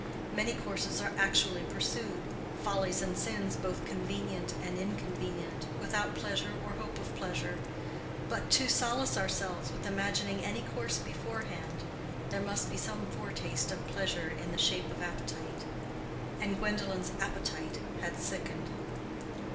Many courses are actually pursued—follies and sins both convenient and inconvenient—without pleasure or hope of pleasure; but to solace ourselves with imagining any course beforehand, there must be some foretaste of pleasure in the shape of appetite; and Gwendolen's appetite had sickened.